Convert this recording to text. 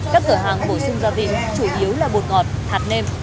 các cửa hàng bổ sung gia vị chủ yếu là bột ngọt hạt nem